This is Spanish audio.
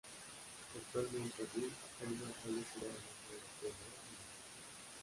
Actualmente en Vich hay una calle que lleva el nombre de "Teodor de Mas".